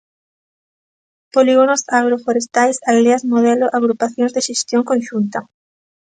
Polígonos agroforestais, aldeas modelo, agrupacións de xestión conxunta.